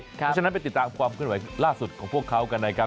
เพราะฉะนั้นไปติดตามความเคลื่อนไหวล่าสุดของพวกเขากันนะครับ